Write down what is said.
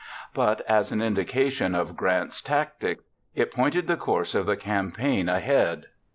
But as an indication of Grant's tactics, it pointed the course of the campaign ahead.